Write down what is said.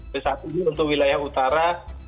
jadi saat ini untuk wilayah utara